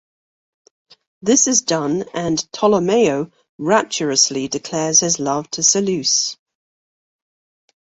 This is done and Tolomeo rapturously declares his love to Seleuce.